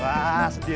tidak tidak tidak